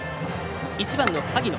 １番の萩野。